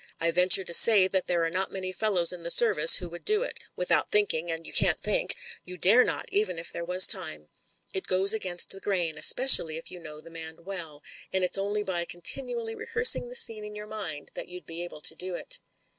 I venture to say that there are not many fellows in the Service who would do it — ^without thinking: and you can't think — ^you dare not, even if there was time. It goes against the grain, especially if you know the man well, and it's only by continually rehearsing the scene in your mind that you'd be able to do it."